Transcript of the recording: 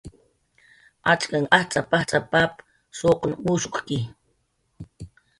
"Achkanh ajtz'ap"" ajtz'ap"" pap suqn mushukki"